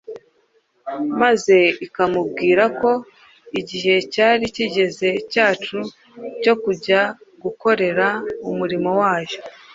maze ikamubwira ko igihe cyari kigeze cyacu cyo kujya gukorera umurimo wayo